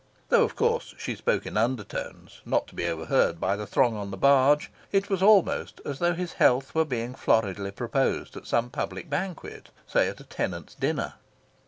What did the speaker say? Though of course she spoke in undertones, not to be overheard by the throng on the barge, it was almost as though his health were being floridly proposed at some public banquet say, at a Tenants' Dinner.